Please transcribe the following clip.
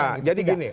nggak jadi gini